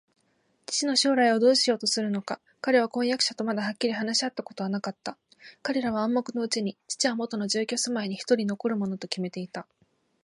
父の将来をどうしようとするのか、彼は婚約者とまだはっきり話し合ったことはなかった。彼らは暗黙のうちに、父はもとの住居すまいにひとり残るものときめていた